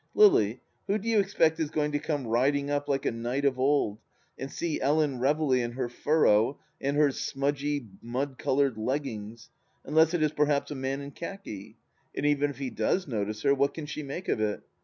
" Lily, who do you expect is going to come riding up like a faiight of old and see Ellen Reveley in her furrow and her smudgy mud coloured leggings, unless it is perhaps a man in khaki ; and even if he does notice her, what can she make of it